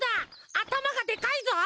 あたまがでかいぞ！